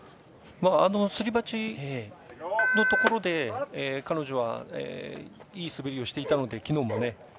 すり鉢のところで彼女はいい滑りをしていたので昨日もね。